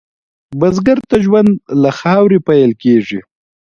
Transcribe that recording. بزګر ته ژوند له خاورې پیل کېږي